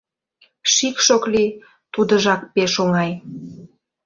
«Шикш ок лий, тудыжак пеш оҥай.